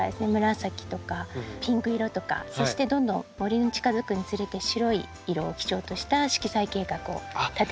紫とかピンク色とかそしてどんどん森に近づくにつれて白い色を基調とした色彩計画を立てて。